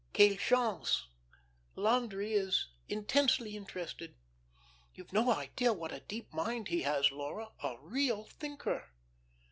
Quel chance. Landry is intensely interested. You've no idea what a deep mind he has, Laura a real thinker.